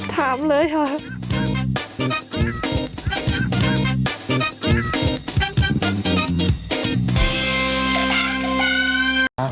ถามเลยค่ะ